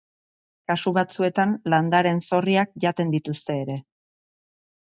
Kasu batzuetan, landareen zorriak jaten dituzte ere.